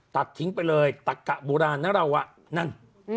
ตัดขึ้นไปเลยตัดแกะโบราณอ่ะเรานั่น